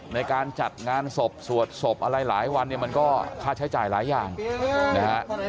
ในการจัดงานศพสวดศพอะไรหลายวันเนี่ยมันก็ค่าใช้จ่ายหลายอย่างนะฮะ